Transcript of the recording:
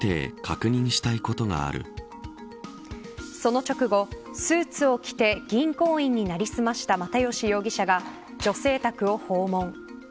その直後、スーツを着て銀行員に成り済ました又吉容疑者が女性宅を訪問。